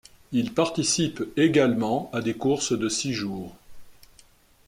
Il participe également à des courses de six jours.